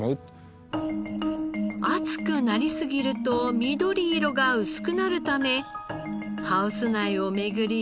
暑くなりすぎると緑色が薄くなるためハウス内を巡り